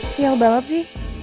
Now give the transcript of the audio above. sial banget sih